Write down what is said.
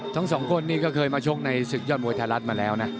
สองคนนี้ก็เคยมาชกในศึกยอดมวยไทยรัฐมาแล้วนะ